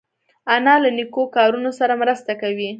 انا له نیکو کارونو سره مرسته کوي